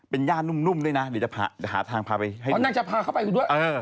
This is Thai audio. เป็นญาตินุ่มน้ำด้วยนะจะหาทางไปให้ด้วย